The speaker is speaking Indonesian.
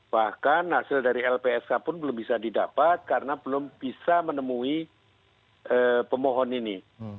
bahkan hasil dari lpsk pun belum bisa didapat karena belum bisa menemui pemohon ini